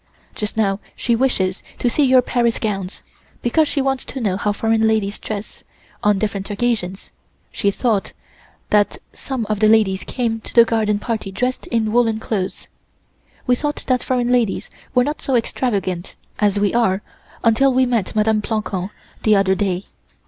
Just now she wishes to see your Paris gowns, because she wants to know how foreign ladies dress on different occasions. She thought that some of the ladies came to the Garden Party dressed in woolen clothes. We thought that foreign ladies were not so extravagant as we are until we met Mdme. Plancon the other day.